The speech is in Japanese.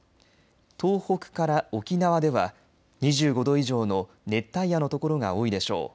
東北から沖縄では２５度以上の熱帯夜のところが多いでしょう。